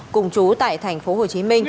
cùng chú tại tp hcm